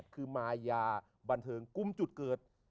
คือมายาบันเทิงกุมจุดเกิด